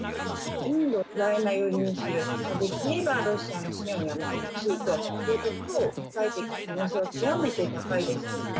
インドをウクライナ寄りにすることができれば、ロシアの支援をやめてほしいということを訴えていく可能性は極めて高いです。